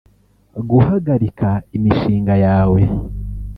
Guhagarika imishinga yawe